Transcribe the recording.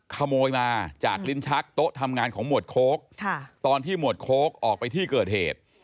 ขโมยมาจากลิ้นชักโต๊ะทำงานของหมวดโค้กตอนที่หมวดโค้กออกไปที่เกิดเหตุ